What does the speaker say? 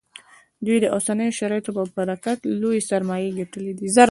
دوی د اوسنیو شرایطو په برکت لویې سرمایې ګټلې دي